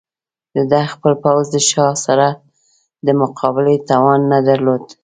د ده خپل پوځ د شاه سره د مقابلې توان نه درلود.